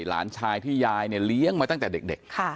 หลานชายที่ยายเนี่ยเลี้ยงมาตั้งแต่เด็ก